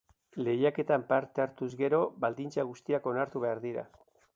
Lehiaketan parte hartuz gero baldintza guztiak onartu behar dira.